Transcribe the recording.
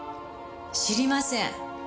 知りません。